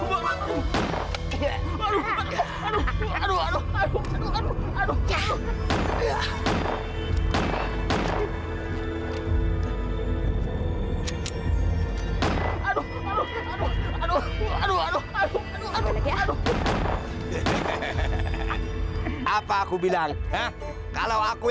nggak usah pakai tapi tapi